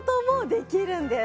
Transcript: できるんです